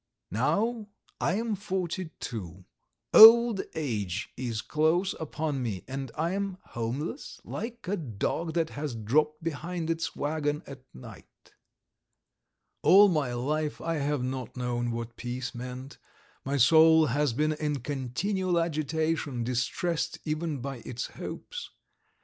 Now I am forty two, old age is close upon me, and I am homeless, like a dog that has dropped behind its waggon at night. All my life I have not known what peace meant, my soul has been in continual agitation, distressed even by its hopes .